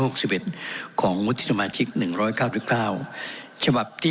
เอ็ดของวุฒิสมาชิกหนึ่งร้อยเก้าสิบเก้าฉบับที่